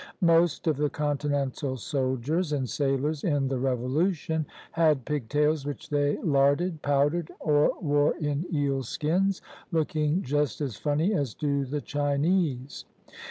Most of the Continental soldiers and sailors in the Revolution had pigtails which they larded, powdered, or wore in eelskins, looking just as funny as do the Chinese.